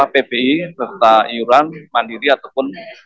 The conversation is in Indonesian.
pbi serta iuran mandiri ataupun